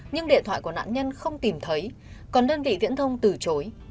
nhưng điện thoại của nạn nhân không tìm thấy còn đơn vị viễn thông từ chối